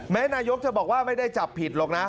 นายกจะบอกว่าไม่ได้จับผิดหรอกนะ